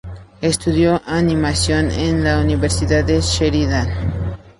Estudió animación en la Universidad de Sheridan.